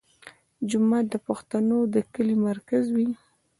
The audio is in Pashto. جومات د پښتنو د کلي مرکز وي.